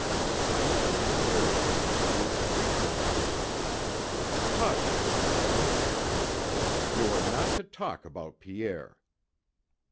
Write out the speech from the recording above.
I was in a fury over the brute's treatment of you...." "Hush!" said Joan; "you are not to talk about Pierre."